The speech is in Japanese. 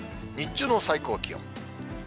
日中の最高気温。